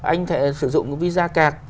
anh sử dụng visa card